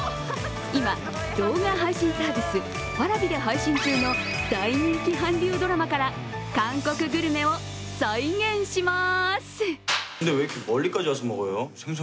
今、動画配信サービス、Ｐａｒａｖｉで配信中の大人気韓流ドラマから韓国グルメを再現しまーす！